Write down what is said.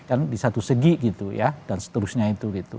kan di satu segi gitu ya dan seterusnya itu gitu